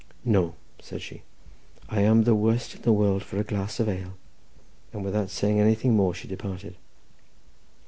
"No," said she; "I am the worst in the world for a glass of ale;" and without saying anything more she departed.